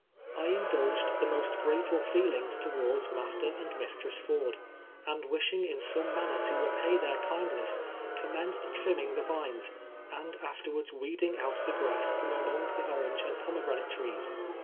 I indulged the most grateful feelings towards Mas ter and Mistress Ford, and wishing in some manner to re})ay their kindness, commenced trimming the vines, and afterwards weeding out the grass from among the orange and pomegranate trees.